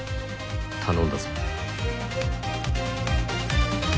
頼んだぞ。」。